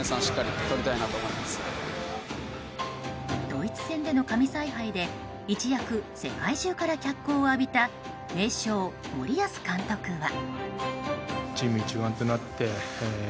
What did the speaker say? ドイツ戦での神采配で一躍世界中から脚光を浴びた名将・森保監督は。